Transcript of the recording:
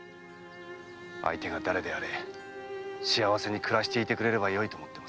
相手が誰であれ幸せに暮らしていてくれればよいと思ってます。